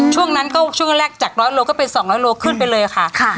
ช่วงนั้นก็ช่วงแรกจาก๑๐๐โลก็เป็น๒๐๐โลขึ้นไปเลยค่ะ